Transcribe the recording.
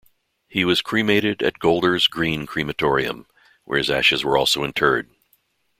He was cremated at Golders Green Crematorium, where his ashes were also interred.